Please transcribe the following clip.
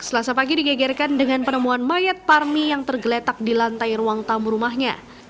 selasa pagi digegerkan dengan penemuan mayat parmi yang tergeletak di lantai ruang tamu rumahnya